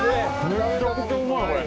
めっちゃくちゃうまい、これ。